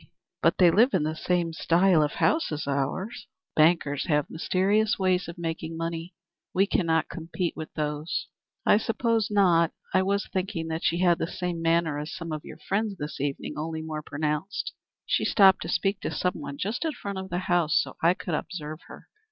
"But they live in the same style of house as ours." "Bankers have mysterious ways of making money. We cannot compete with those." "I suppose not. I was thinking that she had the same manner as some of your friends this evening, only more pronounced. She stopped to speak to some one just in front of the house, so I could observe her.